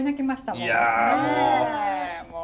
いやもう。